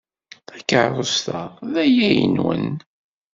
Takeṛṛust-a d ayla-nwen.